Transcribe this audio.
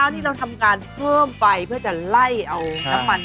อันนี้เราทำการเพิ่มไฟเพื่อจะไล่เอาของพี่ก้าว